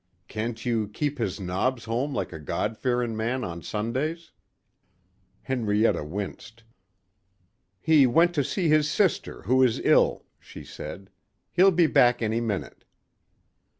"Can't you keep His Nobs home like a God fearing man on Sundays?" Henrietta winced. "He went to see his sister who is ill," she said. "He'll be back any minute."